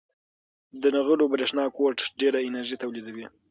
د نغلو برېښنا کوټ ډېره انرژي تولیدوي.